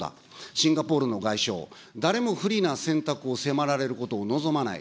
シンガポールの外相、誰も不利な選択を迫られることを望まない。